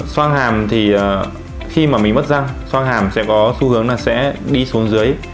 xoang hàm thì khi mà mình mất răng xoang hàm sẽ có xu hướng là sẽ đi xuống dưới